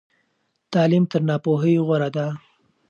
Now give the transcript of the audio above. تعلیم تر ناپوهۍ غوره دی.